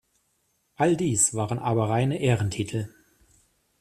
All dies waren aber reine Ehrentitel.